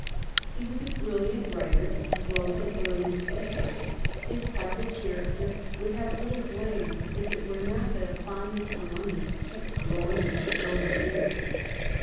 He was a brilliant writer as well as a brilliant speaker. His private character would have little blame if it were not that a fondness for money kept growing with his growing years.